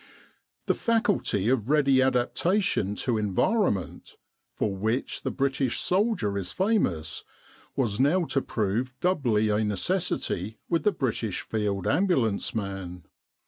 The faculty of ready adaptation to environment, for which the British soldier is famous, was now to prove doubly a necessity with the British Field Ambulance man.